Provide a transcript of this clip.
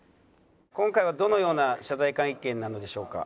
「今回はどのような謝罪会見なのでしょうか？」。